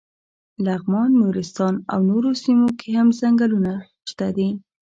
لغمان، نورستان او نورو سیمو کې هم څنګلونه شته دي.